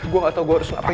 gue gak tau harus ngapain